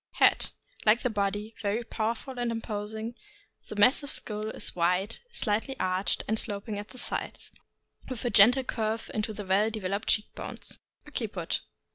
Head. — Like the body, very powerful and imposing; the massive skull is wide, slightly arched, and sloping at the sides, with a gentle curve into the well developed cheek bones. Occiput.